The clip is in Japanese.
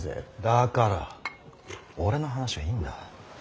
だから俺の話はいいんだ。